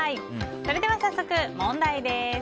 それでは問題です。